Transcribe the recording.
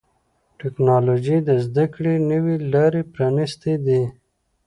ټکنالوجي د زدهکړې نوي لارې پرانستې دي.